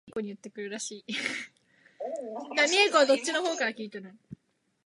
その根底において物を作ることによって行為的直観的に把握し来ったものである。